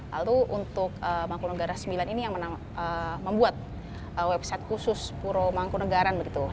lalu untuk mangkunegara sembilan ini yang membuat website khusus puro mangkunegaran begitu